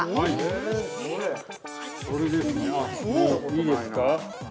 ◆いいですか？